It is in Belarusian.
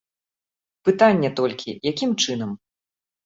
Пытанне толькі, якім чынам.